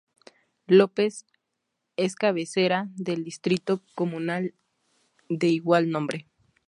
López es cabecera del distrito comunal de igual nombre.